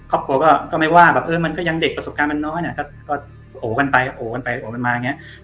ครอบครัวก็ไม่ว่าแบบเออมันก็ยังเด็กประสบการณ์มันน้อยเนี่ยก็โหกันไปโอกันไปโอกันมาอย่างนี้